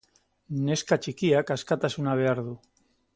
Neska txikiak askatasuna behar du.